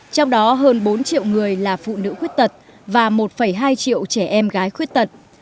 trong đó hơn bốn triệu người là phụ nữ khuyết tật và một hai triệu trẻ em gái khuyết tật